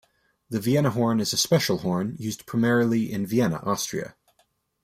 The Vienna horn is a special horn used primarily in Vienna, Austria.